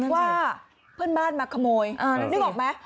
ว่าเพื่อนบ้านมาขโมยนึกออกไหม